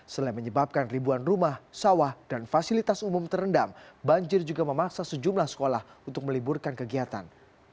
selain menyebabkan ribuan rumah sawah dan fasilitas umum terendam banjir juga memaksa sejumlah sekolah untuk meliburkan kegiatan